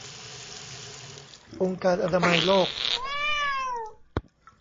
องค์การอนามัยโลก